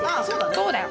そうだよ。